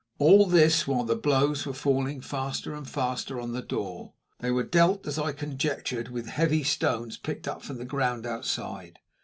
All this while the blows were falling faster and faster on the door. They were dealt, as I conjectured, with heavy stones picked up from the ground outside.